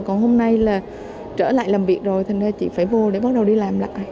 còn hôm nay là trở lại làm việc rồi thành ra chị phải vô để bắt đầu đi làm lại